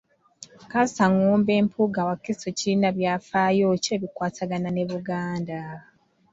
Kaasangombe Mpunga Wakiso kirina byafaayo ki ebikwatagana ne Buganda?